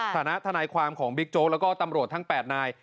ทนายความของบิ๊กโจ๊กแล้วก็ตำรวจทั้ง๘นาย